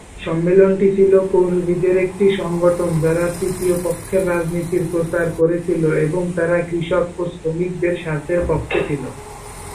সম্মেলনটি ছিল কর্মীদের একটি সংগঠন যারা তৃতীয় পক্ষের রাজনীতির প্রচার করেছিল এবং তারা কৃষক ও শ্রমিকদের স্বার্থের পক্ষে ছিল।